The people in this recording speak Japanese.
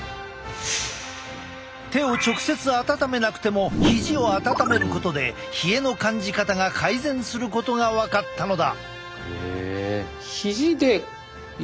手を直接温めなくてもひじを温めることで冷えの感じ方が改善することが分かったのだ。